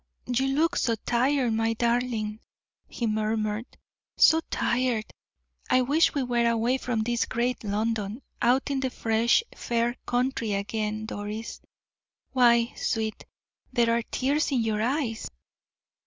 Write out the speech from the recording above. "You look so tired, my darling," he murmured "so tired. I wish we were away from this great London, out in the fresh, fair country again, Doris. Why, sweet, there are tears in your eyes!"